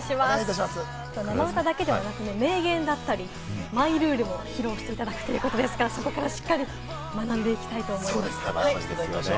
生歌だけではなく名言だったり、マイルールも披露していただくということですから、そこからしっかり学んでいきたいと思います。